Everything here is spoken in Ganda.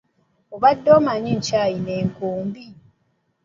Obadde omanyi nkyalina enkumbi?